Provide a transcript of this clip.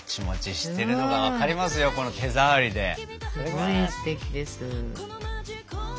すごいすてきです。